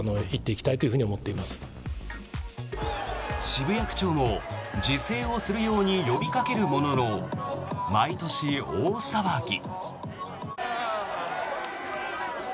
渋谷区長も自制をするように呼びかけるものの毎年、大騒ぎ。